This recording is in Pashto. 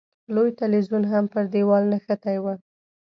لوی تلویزیون هم پر دېوال نښتی و.